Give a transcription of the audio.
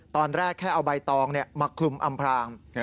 ตอนแรกแค่เอาใบตองมาคลุมอำพราง